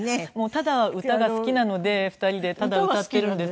ただ歌が好きなので２人でただ歌っているんですけど。